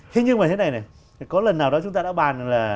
thế nhưng mà thế này này có lần nào đó chúng ta đã bàn là